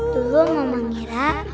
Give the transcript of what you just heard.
dulu mama kira